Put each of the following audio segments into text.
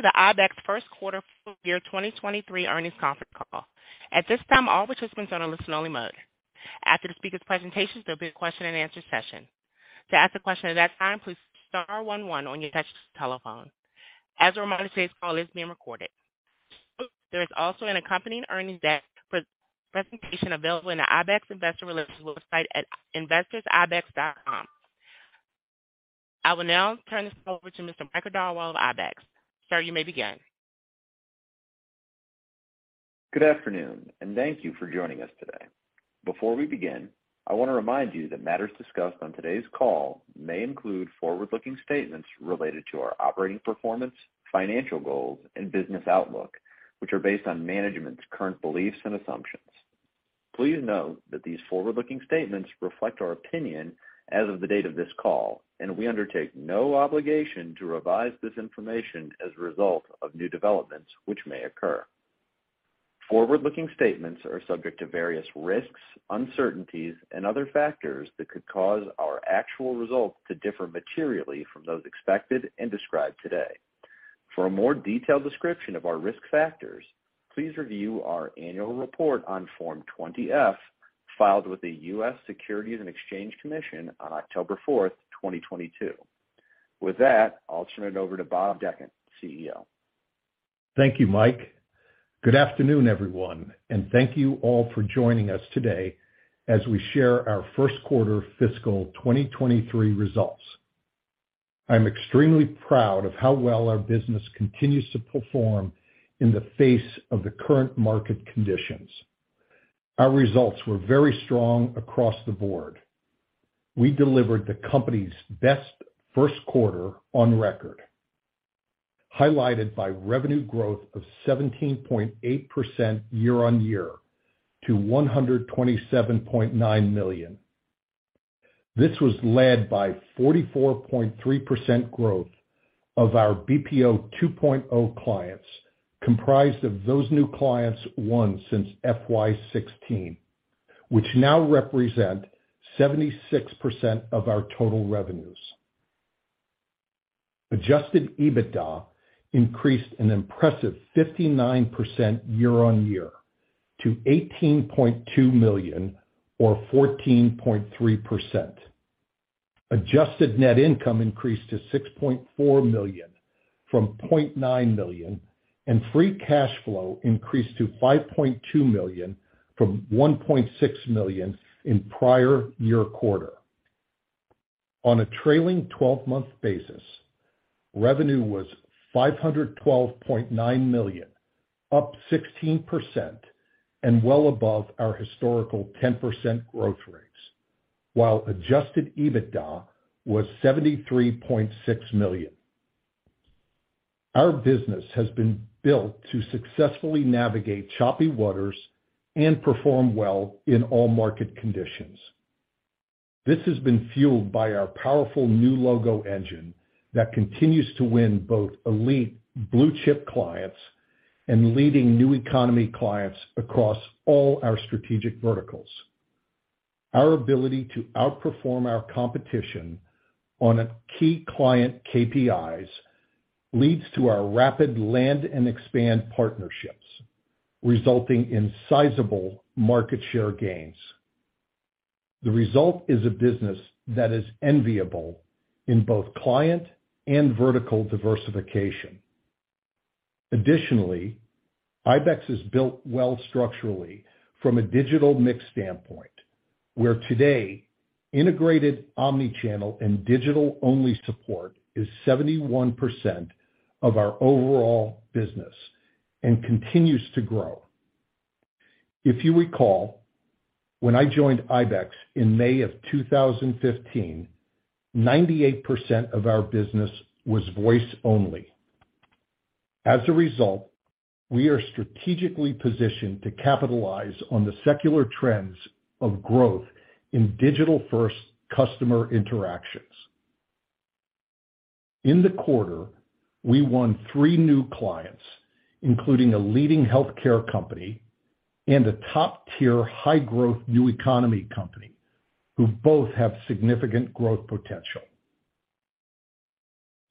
Welcome to the ibex first quarter full year 2023 earnings conference call. At this time, all participants are in listen-only mode. After the speaker's presentations, there'll be a question-and-answer session. To ask a question at that time, please star one one on your touch-tone telephone. As a reminder, today's call is being recorded. There is also an accompanying earnings deck presentation available in the ibex investor relations website at investors.ibex.co. I will now turn this over to Mr. Michael Darwal of ibex. Sir, you may begin. Good afternoon and thank you for joining us today. Before we begin, I wanna remind you that matters discussed on today's call may include forward-looking statements related to our operating performance, financial goals, and business outlook, which are based on management's current beliefs and assumptions. Please note that these forward-looking statements reflect our opinion as of the date of this call, and we undertake no obligation to revise this information as a result of new developments which may occur. Forward-looking statements are subject to various risks, uncertainties, and other factors that could cause our actual results to differ materially from those expected and described today. For a more detailed description of our risk factors, please review our annual report on Form 20-F, filed with the U.S. Securities and Exchange Commission on October 4, 2022. With that, I'll turn it over to Bob Dechant, CEO. Thank you, Mike. Good afternoon, everyone, and thank you all for joining us today as we share our first quarter fiscal 2023 results. I'm extremely proud of how well our business continues to perform in the face of the current market conditions. Our results were very strong across the board. We delivered the company's best first quarter on record, highlighted by revenue growth of 17.8% year-on-year to $127.9 million. This was led by 44.3% growth of our BPO 2.0 clients, comprised of those new clients won since FY 2016, which now repres ent 76% of our total revenues. Adjusted EBITDA increased an impressive 59% year-on-year to $18.2 million or 14.3%. Adjusted net income increased to $6.4 million from $0.9 million, and free cash flow increased to $5.2 million from $1.6 million in prior year quarter. On a trailing twelve-month basis, revenue was $512.9 million, up 16% and well above our historical 10% growth rates, while adjusted EBITDA was $73.6 million. Our business has been built to successfully navigate choppy waters and perform well in all market conditions. This has been fueled by our powerful new logo engine that continues to win both elite blue chip clients and leading new economy clients across all our strategic verticals. Our ability to outperform our competition on key client KPIs leads to our rapid land and expand partnerships, resulting in sizable market share gains. The result is a business that is enviable in both client and vertical diversification. Additionally, ibex is built well structurally from a digital mix standpoint, where today integrated omni-channel and digital-only support is 71% of our overall business and continues to grow. If you recall, when I joined ibex in May of 2015, 98% of our business was voice only. As a result, we are strategically positioned to capitalize on the secular trends of growth in digital-first customer interactions. In the quarter, we won three new clients, including a leading healthcare company and a top-tier high-growth new economy company who both have significant growth potential.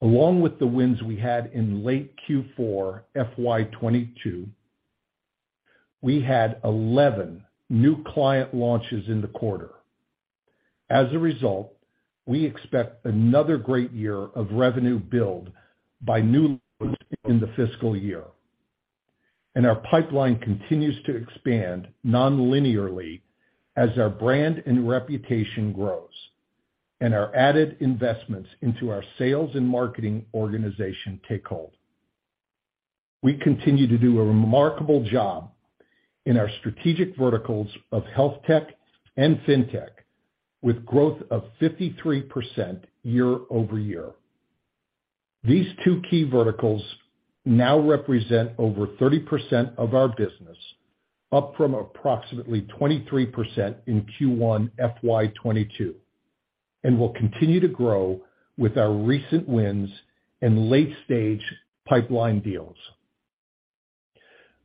Along with the wins we had in late Q4 FY 2022, we had 11 new client launches in the quarter. As a result, we expect another great year of revenue build by new in the fiscal year, and our pipeline continues to expand non-linearly as our brand and reputation grows, and our added investments into our sales and marketing organization take hold. We continue to do a remarkable job in our strategic verticals of health tech and fintech with growth of 53% year-over-year. These two key verticals now represent over 30% of our business, up from approximately 23% in Q1 FY 2022, and will continue to grow with our recent wins and late-stage pipeline deals.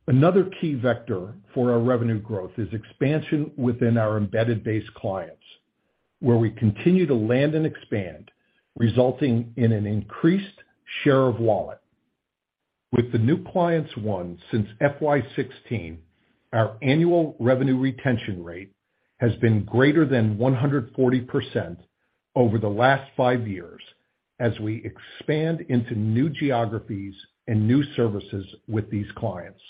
Another key vector for our revenue growth is expansion within our embedded base clients, where we continue to land and expand, resulting in an increased share of wallet. With the new clients won since FY 2016, our annual revenue retention rate has been greater than 140% over the last five years as we expand into new geographies and new services with these clients.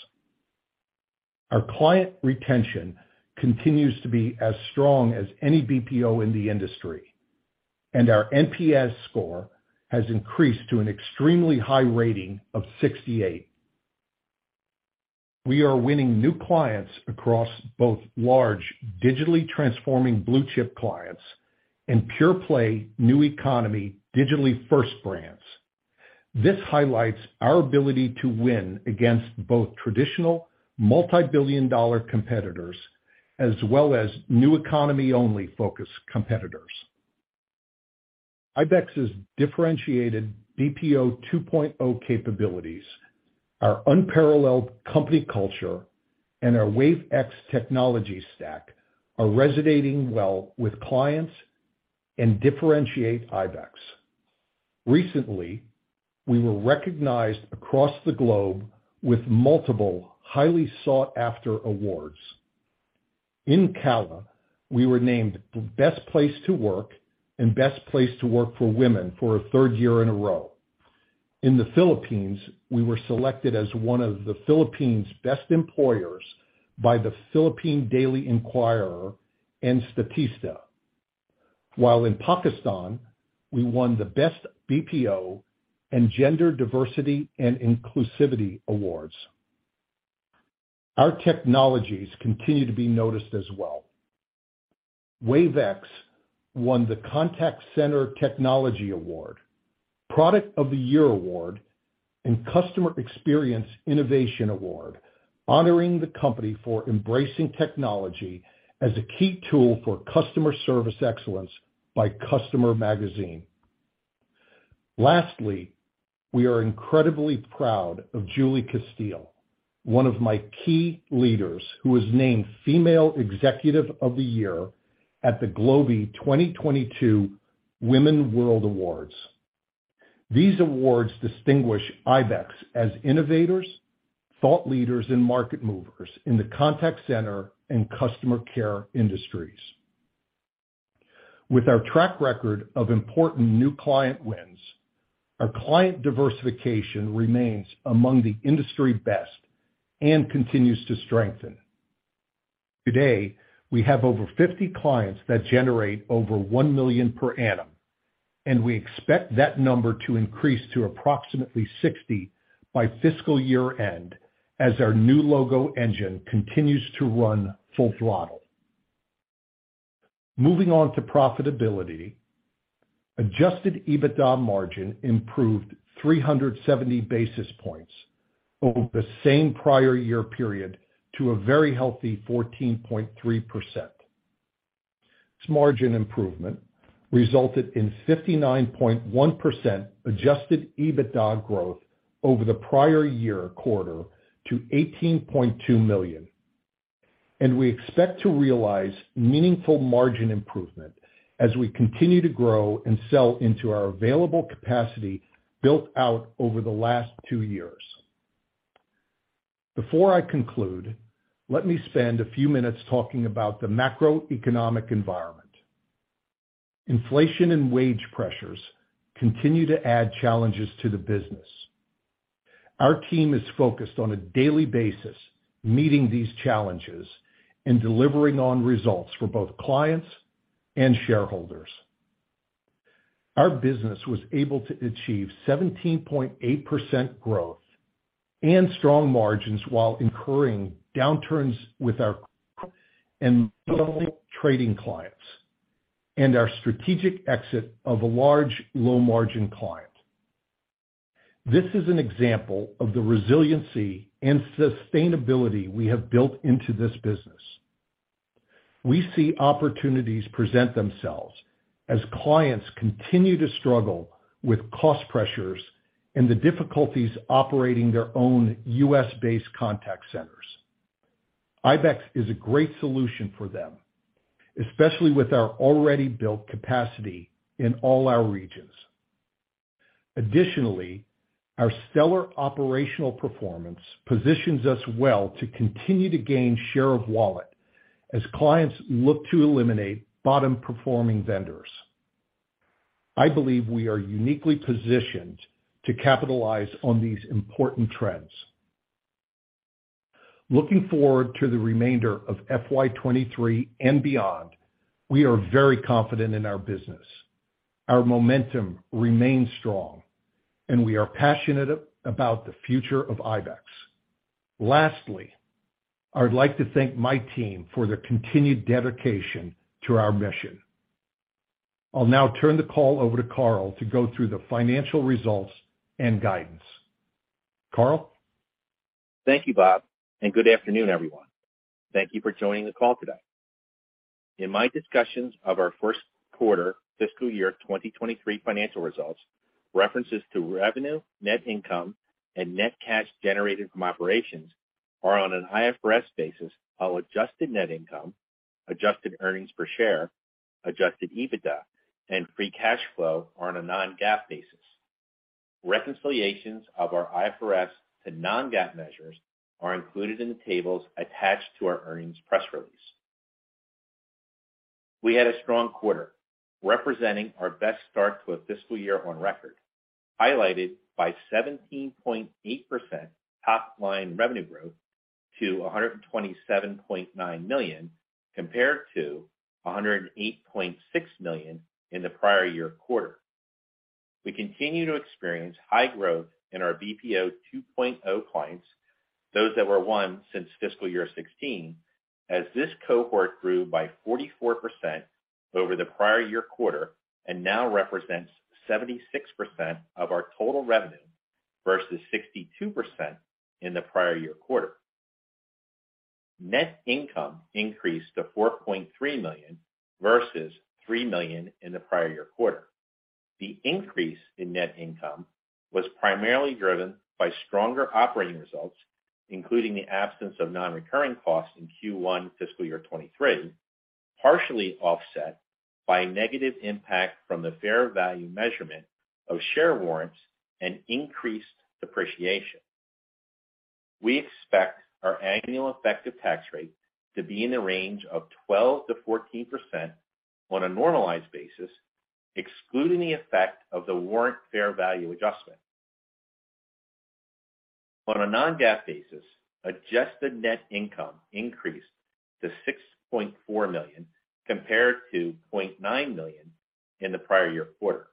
Our client retention continues to be as strong as any BPO in the industry, and our NPS score has increased to an extremely high rating of 68. We are winning new clients across both large digitally transforming blue chip clients and pure play new economy digitally first brands. This highlights our ability to win against both traditional multi-billion dollar competitors as well as new economy only focused competitors. ibex's differentiated BPO 2.0 capabilities, our unparalleled company culture and our Wave iX technology stack are resonating well with clients and differentiate ibex. Recently, we were recognized across the globe with multiple highly sought-after awards. In CALA, we were named Best Place to Work and Best Place to Work for Women for a third year in a row. In the Philippines, we were selected as one of the Philippines' best employers by the Philippine Daily Inquirer and Statista. While in Pakistan, we won the Best BPO and Gender Diversity and Inclusivity awards. Our technologies continue to be noticed as well. Wave iX won the Contact Center Technology Award, Product of the Year Award, and Customer Experience Innovation Award, honoring the company for embracing technology as a key tool for customer service excellence by CUSTOMER Magazine. Lastly, we are incredibly proud of Julie Casteel, one of my key leaders who was named Female Executive of the Year at the Globee 2022 Women World Awards. These awards distinguish ibex as innovators, thought leaders and market movers in the contact center and customer care industries. With our track record of important new client wins, our client diversification remains among the industry best and continues to strengthen. Today, we have over 50 clients that generate over $1 million per annum, and we expect that number to increase to approximately 60 by fiscal year-end as our new logo engine continues to run full throttle. Moving on to profitability, adjusted EBITDA margin improved 370 basis points over the same prior year period to a very healthy 14.3%. This margin improvement resulted in 59.1% adjusted EBITDA growth over the prior year quarter to $18.2 million. We expect to realize meaningful margin improvement as we continue to grow and sell into our available capacity built out over the last two years. Before I conclude, let me spend a few minutes talking about the macroeconomic environment. Inflation and wage pressures continue to add challenges to the business. Our team is focused on a daily basis meeting these challenges and delivering on results for both clients and shareholders. Our business was able to achieve 17.8% growth and strong margins while incurring downturns with our and trading clients and our strategic exit of a large low margin client. This is an example of the resiliency and sustainability we have built into this business. We see opportunities present themselves as clients continue to struggle with cost pressures and the difficulties operating their own U.S.-based contact centers. ibex is a great solution for them, especially with our already built capacity in all our regions. Additionally, our stellar operational performance positions us well to continue to gain share of wallet as clients look to eliminate bottom performing vendors. I believe we are uniquely positioned to capitalize on these important trends. Looking forward to the remainder of FY 2023 and beyond, we are very confident in our business. Our momentum remains strong and we are passionate about the future of ibex. Lastly, I would like to thank my team for their continued dedication to our mission. I'll now turn the call over to Karl to go through the financial results and guidance. Karl? Thank you, Bob, and good afternoon, everyone. Thank you for joining the call today. In my discussions of our first quarter fiscal year 2023 financial results, references to revenue, net income, and net cash generated from operations are on an IFRS basis, while adjusted net income, adjusted earnings per share, adjusted EBITDA, and free cash flow are on a non-GAAP basis. Reconciliations of our IFRS to non-GAAP measures are included in the tables attached to our earnings press release. We had a strong quarter, representing our best start to a fiscal year on record, highlighted by 17.8% top-line revenue growth to $127.9 million, compared to $108.6 million in the prior year quarter. We continue to experience high growth in our BPO 2.0 clients, those that were won since fiscal year 2016, as this cohort grew by 44% over the prior year quarter and now represents 76% of our total revenue versus 62% in the prior year quarter. Net income increased to $4.3 million versus $3 million in the prior year quarter. The increase in net income was primarily driven by stronger operating results, including the absence of non-recurring costs in Q1 fiscal year 2023, partially offset by a negative impact from the fair value measurement of share warrants and increased depreciation. We expect our annual effective tax rate to be in the range of 12%-14% on a normalized basis, excluding the effect of the warrant fair value adjustment. On a non-GAAP basis, adjusted net income increased to $6.4 million compared to $0.9 million in the prior year quarter.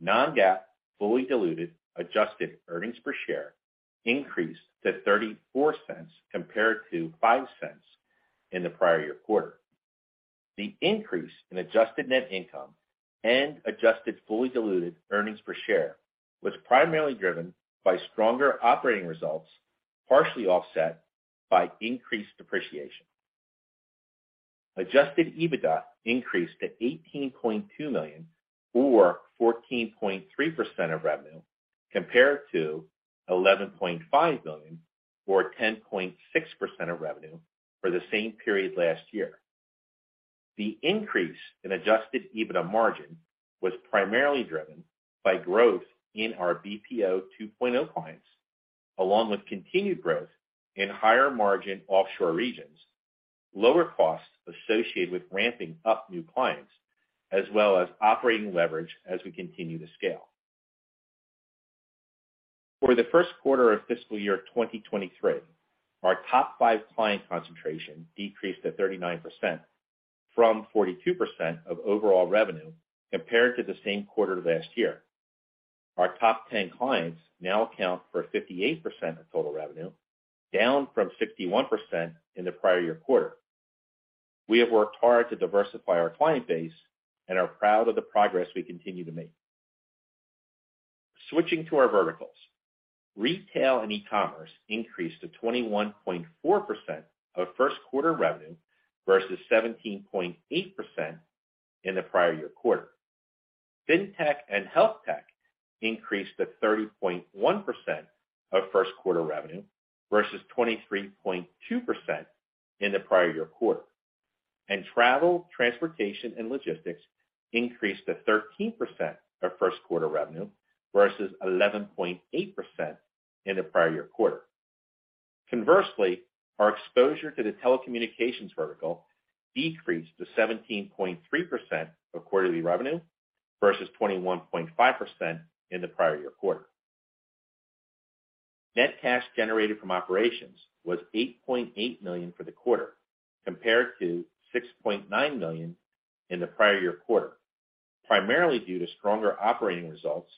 Non-GAAP fully diluted adjusted earnings per share increased to $0.34 compared to $0.05 in the prior year quarter. The increase in adjusted net income and adjusted fully diluted earnings per share was primarily driven by stronger operating results, partially offset by increased depreciation. Adjusted EBITDA increased to $18.2 million or 14.3% of revenue compared to $11.5 million or 10.6% of revenue for the same period last year. The increase in adjusted EBITDA margin was primarily driven by growth in our BPO 2.0 clients, along with continued growth in higher margin offshore regions, lower costs associated with ramping up new clients, as well as operating leverage as we continue to scale. For the first quarter of fiscal year 2023, our top five client concentration decreased to 39% from 42% of overall revenue compared to the same quarter last year. Our top ten clients now account for 58% of total revenue, down from 61% in the prior year quarter. We have worked hard to diversify our client base and are proud of the progress we continue to make. Switching to our verticals, retail and e-commerce increased to 21.4% of first quarter revenue versus 17.8% in the prior year quarter. Fintech and health tech increased to 30.1% of first quarter revenue versus 23.2% in the prior year quarter. Travel, transportation, and logistics increased to 13% of first quarter revenue versus 11.8% in the prior year quarter. Conversely, our exposure to the telecommunications vertical decreased to 17.3% of quarterly revenue versus 21.5% in the prior year quarter. Net cash generated from operations was $8.8 million for the quarter compared to $6.9 million in the prior year quarter, primarily due to stronger operating results,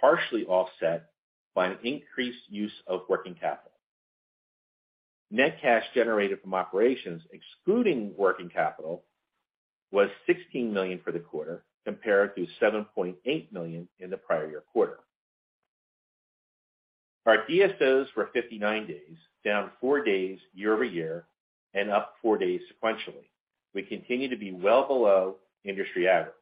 partially offset by an increased use of working capital. Net cash generated from operations excluding working capital was $16 million for the quarter compared to $7.8 million in the prior year quarter. Our DSOs were 59 days, down 4 days year-over-year and up four days sequentially. We continue to be well below industry average.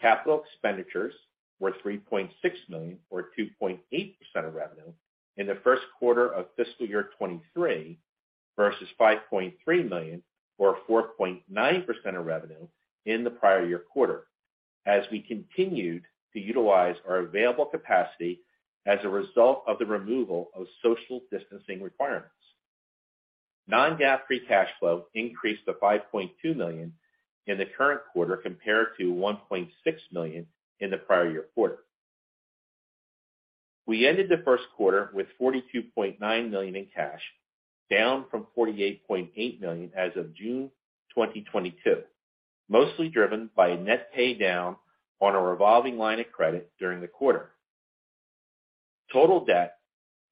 Capital expenditures were $3.6 million or 2.8% of revenue in the first quarter of fiscal year 2023 versus $5.3 million or 4.9% of revenue in the prior year quarter as we continued to utilize our available capacity as a result of the removal of social distancing requirements. Non-GAAP free cash flow increased to $5.2 million in the current quarter compared to $1.6 million in the prior year quarter. We ended the first quarter with $42.9 million in cash, down from $48.8 million as of June 2022, mostly driven by a net pay down on a revolving line of credit during the quarter. Total debt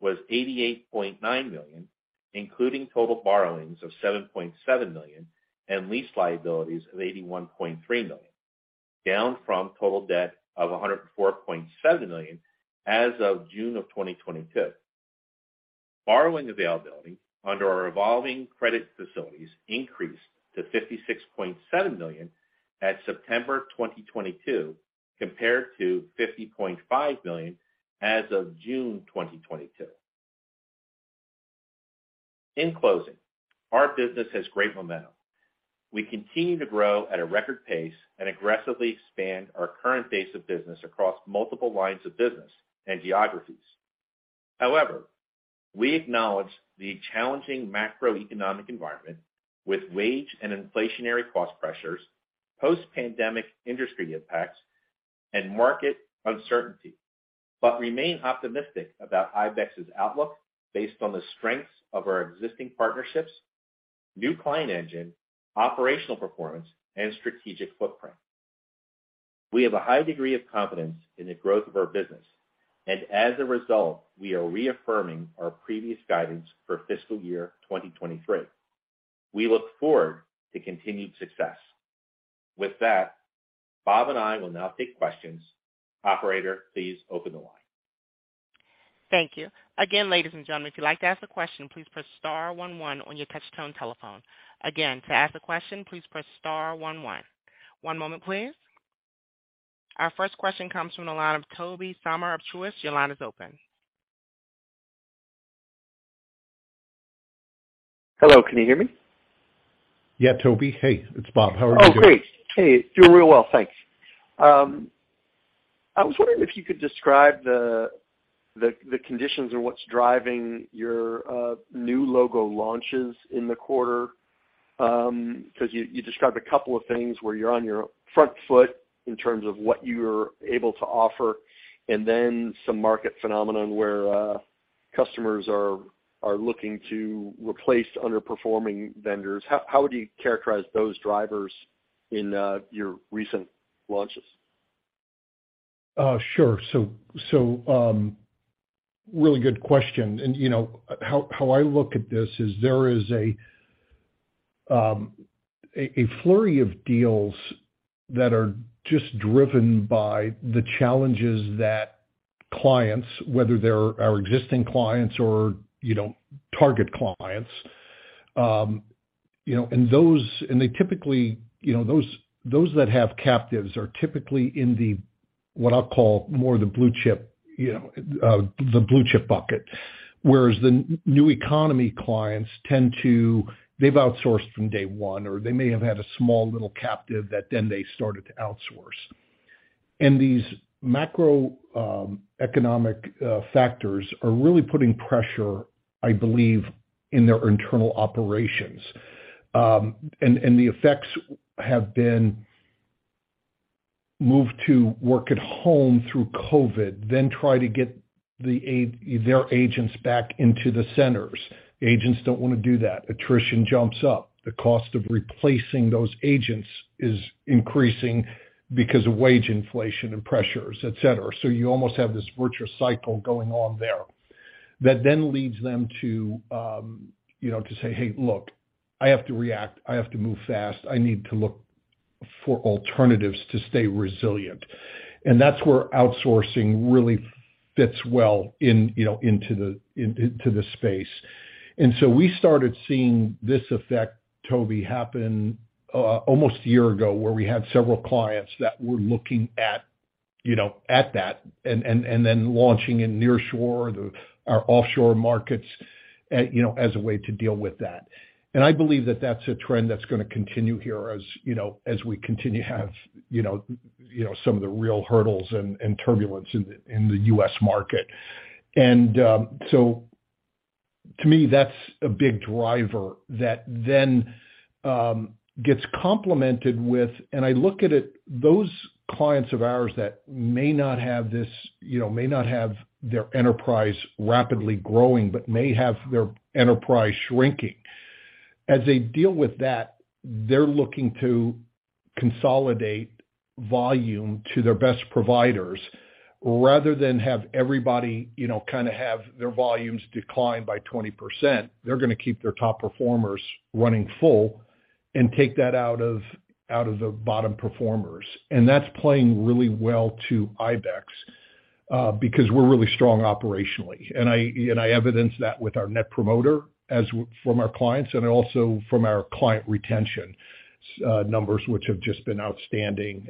was $88.9 million, including total borrowings of $7.7 million and lease liabilities of $81.3 million, down from total debt of $104.7 million as of June 2022. Borrowing availability under our evolving credit facilities increased to $56.7 million at September 2022 compared to $50.5 million as of June 2022. In closing, our business has great momentum. We continue to grow at a record pace and aggressively expand our current base of business across multiple lines of business and geographies. However, we acknowledge the challenging macroeconomic environment with wage and inflationary cost pressures, post-pandemic industry impacts, and market uncertainty, but remain optimistic about ibex's outlook based on the strengths of our existing partnerships, new client engine, operational performance, and strategic footprint. We have a high degree of confidence in the growth of our business, and as a result, we are reaffirming our previous guidance for fiscal year 2023. We look forward to continued success. With that, Bob and I will now take questions. Operator, please open the line. Thank you. Again, ladies and gentlemen, if you'd like to ask a question, please press star one one on your touchtone telephone. Again, to ask a question, please press star one one. One moment, please. Our first question comes from the line of Tobey Sommer of Truist. Your line is open. Hello. Can you hear me? Yeah, Tobey. Hey, it's Bob. How are you doing? Oh, great. Hey. Doing real well, thanks. I was wondering if you could describe the conditions or what's driving your new logo launches in the quarter, 'cause you described a couple of things where you're on your front foot in terms of what you're able to offer and then some market phenomenon where customers are looking to replace underperforming vendors. How would you characterize those drivers in your recent launches? Sure. Really good question. You know, how I look at this is there is a flurry of deals that are just driven by the challenges that clients, whether they're our existing clients or, you know, target clients, you know. They typically, you know, those that have captives are typically in the, what I'll call more the blue chip, you know, the blue chip bucket. Whereas the new economy clients tend to. They've outsourced from day one or they may have had a small little captive that then they started to outsource. These macro economic factors are really putting pressure, I believe, in their internal operations. The effects have been move to work at home through COVID, then try to get their agents back into the centers. Agents don't wanna do that. Attrition jumps up. The cost of replacing those agents is increasing because of wage inflation and pressures, et cetera. You almost have this virtuous cycle going on there that then leads them to, you know, to say, "Hey, look, I have to react. I have to move fast. I need to look for alternatives to stay resilient." That's where outsourcing really fits well in, you know, into the space. We started seeing this effect, Tobey, happen almost a year ago, where we had several clients that were looking at, you know, at that and then launching in nearshore or our offshore markets, you know, as a way to deal with that. I believe that that's a trend that's gonna continue here as we continue to have some of the real hurdles and turbulence in the U.S. market. To me, that's a big driver that then gets complemented with. I look at it, those clients of ours that may not have this may not have their enterprise rapidly growing, but may have their enterprise shrinking, as they deal with that, they're looking to consolidate volume to their best providers. Rather than have everybody kinda have their volumes decline by 20%, they're gonna keep their top performers running full and take that out of the bottom performers. That's playing really well to ibex, because we're really strong operationally. I evidence that with our net promoter score from our clients and also from our client retention numbers, which have just been outstanding.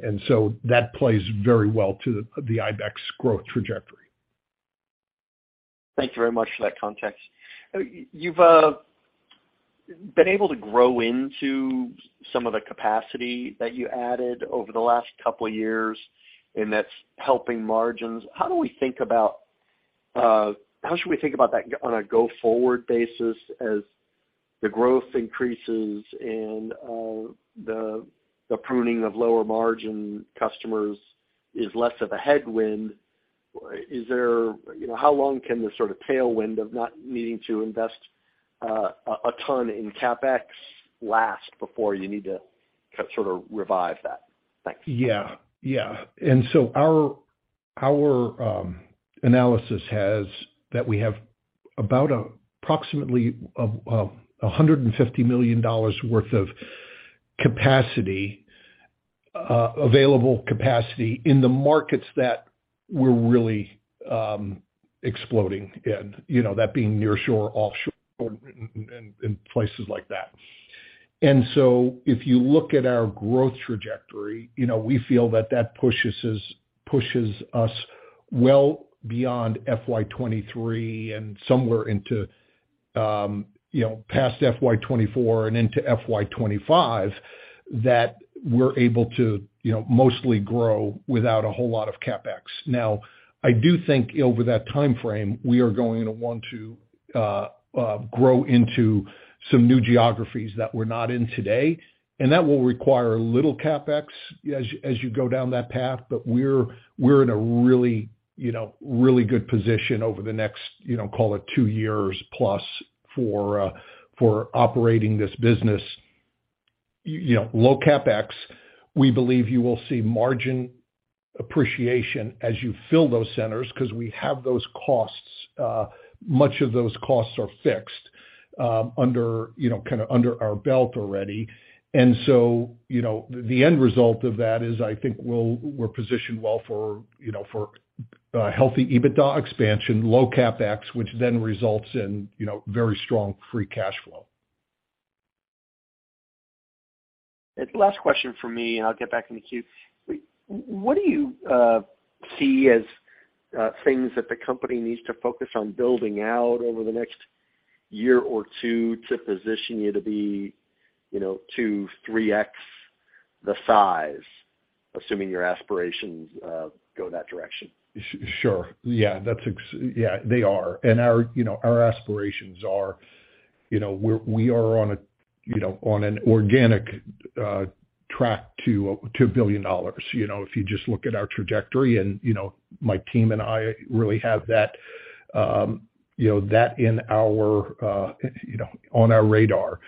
That plays very well to the ibex growth trajectory. Thank you very much for that context. You've been able to grow into some of the capacity that you added over the last couple years, and that's helping margins. How should we think about that growth on a go-forward basis as the growth increases and the pruning of lower margin customers is less of a headwind? You know, how long can the sort of tailwind of not needing to invest a ton in CapEx last before you need to sort of revive that? Thanks. Our analysis has that we have about approximately $150 million worth of capacity, available capacity in the markets that we're really expanding in, you know, that being nearshore, offshore and places like that. If you look at our growth trajectory, you know, we feel that that pushes us well beyond FY 2023 and somewhere into, you know, past FY 2024 and into FY 2025, that we're able to, you know, mostly grow without a whole lot of CapEx. Now, I do think over that timeframe, we are going to want to grow into some new geographies that we're not in today, and that will require a little CapEx as you go down that path. We're in a really, you know, really good position over the next, you know, call it two years plus for operating this business. You know, low CapEx. We believe you will see margin appreciation as you fill those centers 'cause we have those costs. Much of those costs are fixed, under, you know, kinda under our belt already. You know, the end result of that is I think we're positioned well for, you know, for a healthy EBITDA expansion, low CapEx, which then results in, you know, very strong free cash flow. Last question from me, and I'll get back in the queue. What do you see as things that the company needs to focus on building out over the next year or two to position you to be, you know, 2x-3x the size, assuming your aspirations go that direction? Sure. Yeah, they are. Our aspirations are, you know, we are on a, you know, on an organic track to $1 billion. You know, if you just look at our trajectory and, you know, my team and I really have that, you know, that in our, you know, on our radar.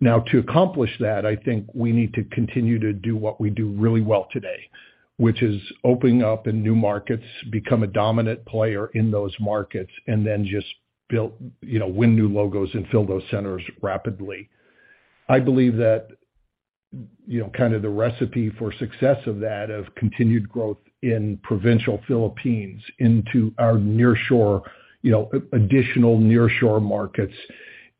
Now, to accomplish that, I think we need to continue to do what we do really well today, which is opening up in new markets, become a dominant player in those markets, and then just build, you know, win new logos and fill those centers rapidly. I believe that, you know, kind of the recipe for success of that, of continued growth in provincial Philippines into our nearshore, you know, additional nearshore markets.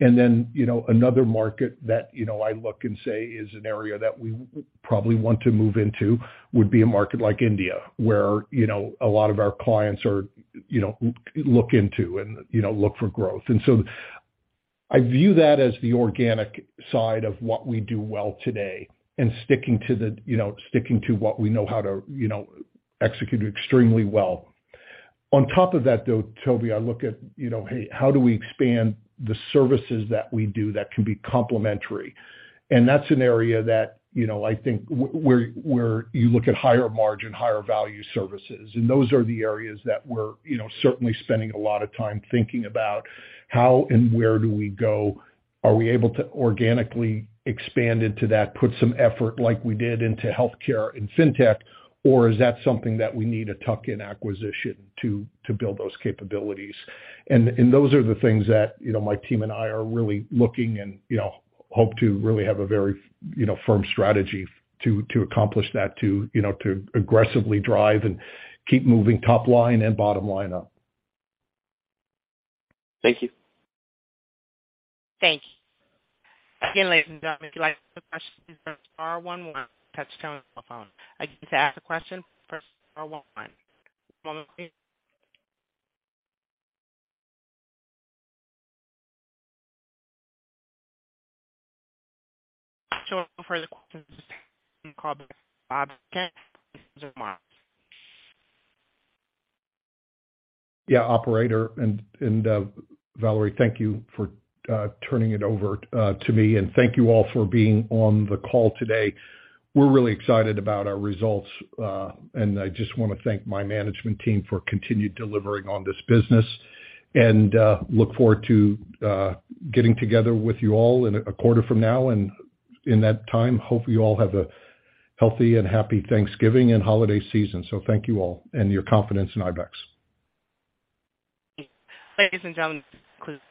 Then, you know, another market that, you know, I look and say is an area that we probably want to move into would be a market like India, where, you know, a lot of our clients are, you know, look into and, you know, look for growth. I view that as the organic side of what we do well today and sticking to what we know how to, you know, execute extremely well. On top of that, though, Tobey, I look at, you know, hey, how do we expand the services that we do that can be complementary? That's an area that, you know, I think where you look at higher margin, higher value services, and those are the areas that we're, you know, certainly spending a lot of time thinking about how and where do we go? Are we able to organically expand into that, put some effort like we did into healthcare and fintech, or is that something that we need a tuck-in acquisition to build those capabilities? Those are the things that, you know, my team and I are really looking and, you know, hope to really have a very, you know, firm strategy to accomplish that, you know, to aggressively drive and keep moving top line and bottom line up. Thank you. Thank you. Again, ladies and gentlemen, if you'd like to ask a question, press star one one on touchtone phone. Again, to ask a question, press star one one. One moment please. For the questions and comments, Bob Dechant, with his final remark. Yeah, Operator and Valerie, thank you for turning it over to me. Thank you all for being on the call today. We're really excited about our results, and I just wanna thank my management team for continued delivering on this business. Look forward to getting together with you all in a quarter from now. In that time, hope you all have a healthy and happy Thanksgiving and holiday season. Thank you all for your confidence in ibex. Ladies and gentlemen, this concludes our.